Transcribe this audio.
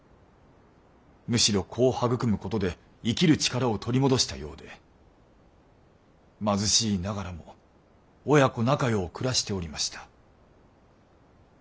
むしろ子を育むことで生きる力を取り戻したようで貧しいながらも親子仲よう暮らしておりました。